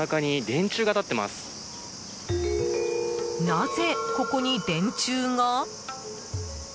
なぜここに電柱が？